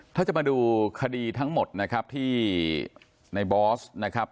ถ้าจะมาดูคดีทั้งหมดนะครับที่ในบอสนะครับ